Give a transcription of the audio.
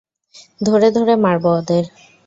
ধরে ধরে মারব ওদের।